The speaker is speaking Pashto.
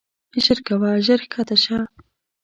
ژر کوه ژر کښته شه.